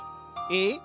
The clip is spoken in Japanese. えっ？